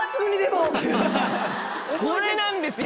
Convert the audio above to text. これなんですよ！